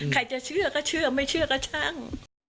ใครจะเชื่อก็เชื่อไม่เชื่อก็ช่าง